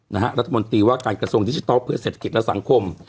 รัฐมนตรีว่าการกระทรวงดิจิทัลเพื่อเศรษฐกิจและสังคม